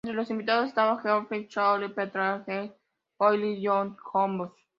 Entre los invitados estaban Geoffrey Chaucer, Petrarca, Jean Froissart y John Hawkwood.